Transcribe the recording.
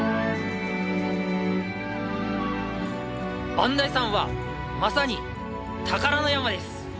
磐梯山はまさに宝の山です。